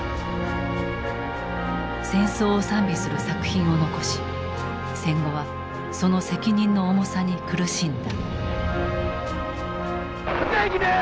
戦争を賛美する作品を残し戦後はその責任の重さに苦しんだ。